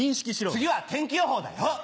次は天気予報だよ！